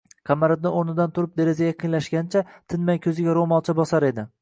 Qamariddin o‘rnidan turib derazaga yaqinlashgancha, tinmay ko‘ziga ro‘molcha bosar edi